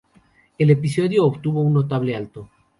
El episodio obtuvo un notable alto.